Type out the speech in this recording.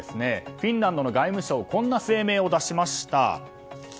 フィンランドの外務省はこんな声明を出しました。